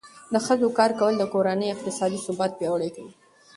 د ښځو کار کول د کورنۍ اقتصادي ثبات پیاوړی کوي.